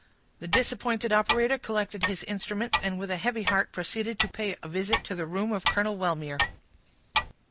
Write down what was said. The disappointed operator collected his instruments, and with a heavy heart proceeded to pay a visit to the room of Colonel Wellmere.